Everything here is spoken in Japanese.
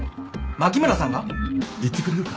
牧村さんが？行ってくれるか。